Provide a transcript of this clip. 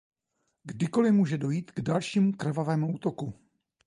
Kdykoli může dojít k dalšímu krvavému útoku.